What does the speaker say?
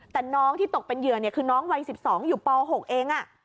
แต่น้องที่ตกเป็นเหยื่อเนี่ยคือน้องวัยสิบสองอยู่ปหกเองอ่ะ